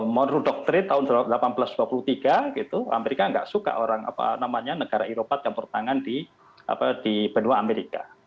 menurut doktrin tahun seribu delapan ratus dua puluh tiga amerika nggak suka orang apa namanya negara eropat yang bertangan di benua amerika